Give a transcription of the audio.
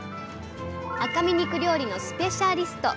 赤身肉料理のスペシャリスト